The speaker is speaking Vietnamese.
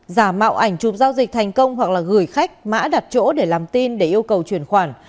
giả mạo ảnh chụp giao dịch thành công hoặc là gửi khách mã đặt chỗ để làm tin để yêu cầu truyền khoản